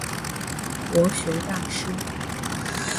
国学大师。